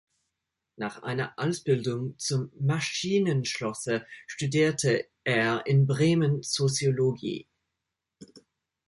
Nach einer Ausbildung zum Maschinenschlosser studierte er in Bremen Soziologie.